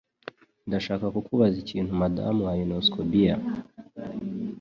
Ndashaka kukubaza ikintu, Madamu Ionescu. (papabear)